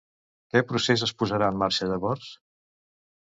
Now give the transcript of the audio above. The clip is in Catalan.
Què procés es posarà en marxa llavors?